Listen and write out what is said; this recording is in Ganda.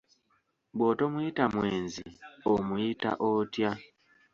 Bw'otomuyita mwenzi omuyita otya?